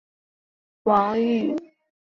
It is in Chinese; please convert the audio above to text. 越南史料中称她为玉云。